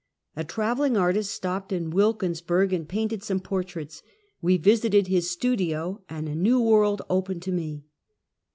A traveling artist stopped in Wilkinsburg and painted some portraits; we visited his studio, and a new world opened to me.